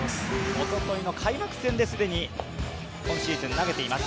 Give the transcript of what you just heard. おとといの開幕戦で既に、今シーズン投げています。